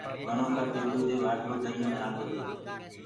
وڻو ڪآ پيڏو دي وآڍو دريونٚ ٺآندو هيٚ۔